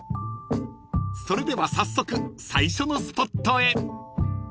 ［それでは早速最初のスポットへ］